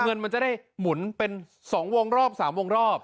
เงินมันจะได้หมุนเป็น๒วงรอบ๓วงรอบ